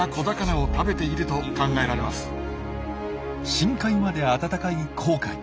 深海まで暖かい紅海。